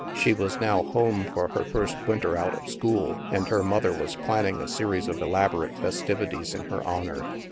She was now home for her first winter out of school, and her mother was planning a series of elaborate festivities in her honor.